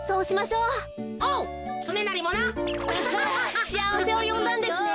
しあわせをよんだんですね。